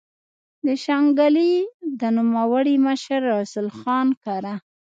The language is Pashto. د شانګلې د نوموړي مشر رسول خان کره